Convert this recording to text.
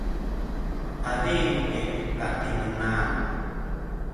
adidi’ katinengan